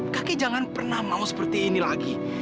kaki jangan pernah mau seperti ini lagi